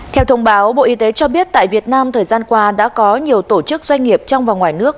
theo thông báo bộ y tế cho biết tại việt nam thời gian qua đã có nhiều tổ chức doanh nghiệp trong và ngoài nước